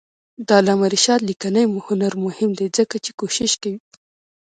د علامه رشاد لیکنی هنر مهم دی ځکه چې کوشش کوي.